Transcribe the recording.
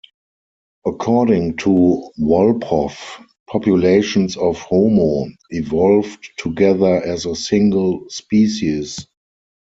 According to Wolpoff, populations of "Homo" evolved together as a single species.